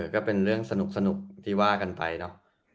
ก็เป็นเรื่องสนุกที่ว่ากันไปเนอะ